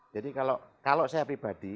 jadi kalau saya pribadi